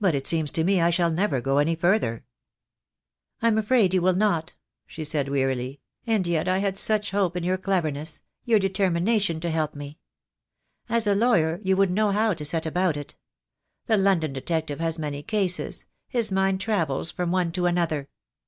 But it seems to me I shall never go any further." "I'm afraid you will not," she said, wearily; "and yet I had such hope in your cleverness — your determination to help me. As a lawyer you would know how to set about it. The London detective has many cases — his mind travels from one to another.